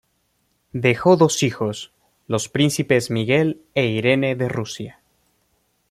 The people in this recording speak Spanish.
Dejó dos hijos, los príncipes Miguel e Irene de Rusia.